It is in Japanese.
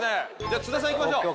じゃあ津田さんいきましょう。